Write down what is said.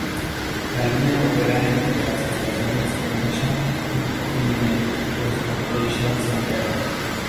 La línea opera entre las estaciones Kenosha y Ogilvie Transportation Center.